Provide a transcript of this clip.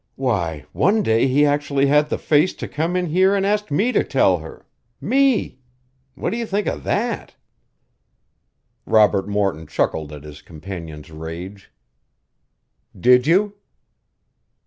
Why, one day he actually had the face to come in here an' ask me to tell her me! What do you think of that?" Robert Morton chuckled at his companion's rage. "Did you?"